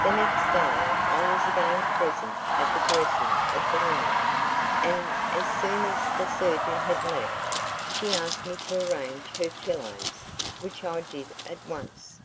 The next day I was again present at the dressing of the wound, and as soon as the surgeon had left, she asked me to arrange her pillows, which I did at once.